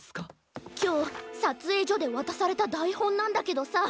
きょうさつえいじょでわたされただいほんなんだけどさ